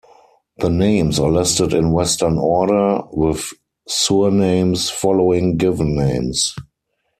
The names are listed in western order, with surnames following given names.